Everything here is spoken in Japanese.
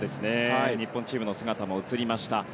日本チームの姿も映りました。